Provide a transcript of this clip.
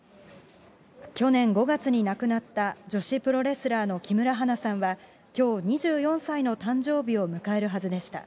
去年５月に亡くなった、女子プロレスラーの木村花さんは、きょう２４歳の誕生日を迎えるはずでした。